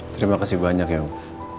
terima kasih banyak yung